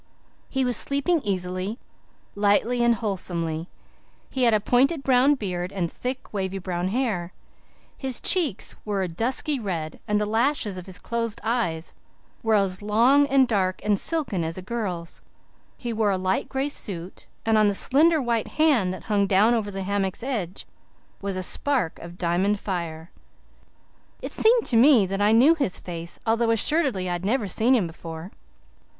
He was sleeping easily, lightly, and wholesomely. He had a pointed brown beard and thick wavy brown hair. His cheeks were a dusky red and the lashes of his closed eyes were as long and dark and silken as a girl's. He wore a light gray suit, and on the slender white hand that hung down over the hammock's edge was a spark of diamond fire. It seemed to me that I knew his face, although assuredly I had never seen him before.